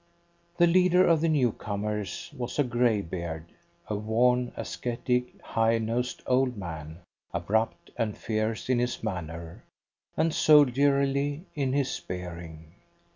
The leader of the new comers was a greybeard, a worn, ascetic, high nosed old man, abrupt and fierce in his manner, and soldierly in his bearing.